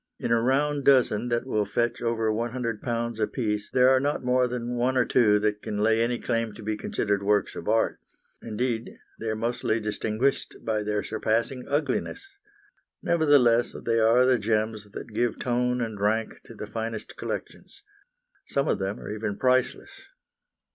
In a round dozen that will fetch over £100 apiece there are not more than one or two that can lay any claim to be considered works of art; indeed, they are mostly distinguished by their surpassing ugliness. Nevertheless, they are the gems that give tone and rank to the finest collections. Some of them are even priceless.